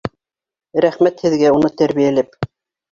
Рәхмәт һеҙгә уны тәрбиәләп